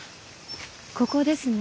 ここですね。